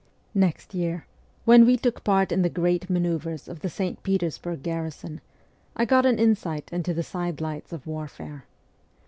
Next year, when we took part in the great manoeuvres of the St. Petersburg garrison, I got an insight into the sidelights of warfare.